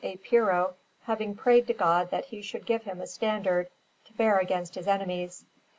Epiro having prayed to God that He should give him a standard to bear against His enemies.